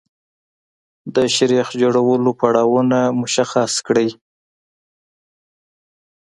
د شیریخ جوړولو پړاوونه مشخص کړئ.